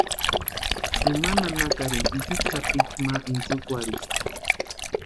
Ima nanakarini pisiki sapichu ma intsïkwarhitʼi.